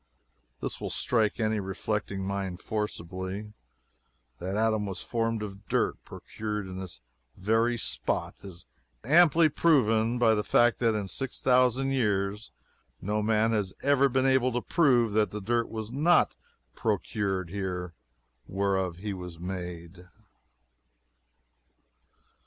This will strike any reflecting mind forcibly. That Adam was formed of dirt procured in this very spot is amply proven by the fact that in six thousand years no man has ever been able to prove that the dirt was not procured here whereof he was made.